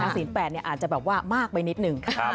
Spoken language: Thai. ศีล๘อาจจะแบบว่ามากไปนิดนึง